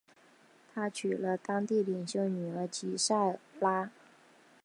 他娶了当地领袖的女儿吉塞拉。